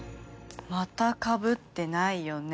またかぶってないよね？